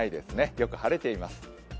よく晴れています。